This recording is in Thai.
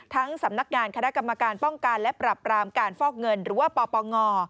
สำนักงานคณะกรรมการป้องกันและปรับรามการฟอกเงินหรือว่าปปง